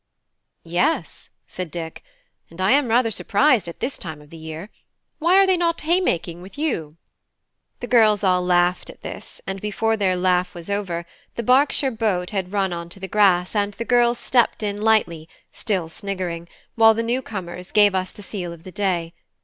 "Yes," said Dick, "and I am rather surprised at this time of the year; why are they not haymaking with you?" The girls all laughed at this, and before their laugh was over, the Berkshire boat had run on to the grass and the girls stepped in lightly, still sniggering, while the new comers gave us the sele of the day.